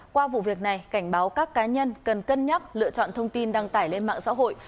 qua vụ việc này cảnh báo các cá nhân cần cân nhắc lựa chọn thông tin đăng tải lên mạng xã hội